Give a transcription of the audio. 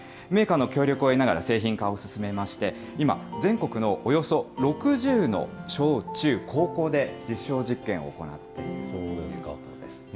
メーカーの協力を得ながら製品化を進めまして、今、全国のおよそ６０の小中高校で、実証実験を行っているということです。